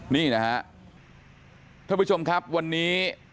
นี่นะฮะท่านผู้ชมครับวันนี้